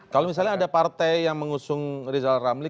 kalau misalnya ada partai yang mengusung rizal ramli